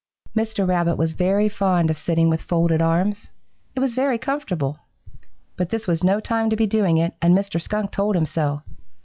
Mr. Rabbit was very fond of sitting with folded arms. It was very comfortable. But this was no time to be doing it, and Mr. Skunk told him so.